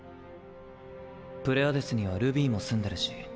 プレアデスにはルビーも住んでるし。